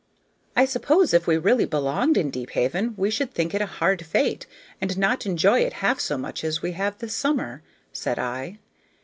"I suppose if we really belonged in Deephaven we should think it a hard fate, and not enjoy it half so much as we have this summer," said I.